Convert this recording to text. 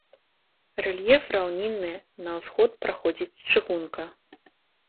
Рэльеф раўнінны, на ўсход праходзіць чыгунка.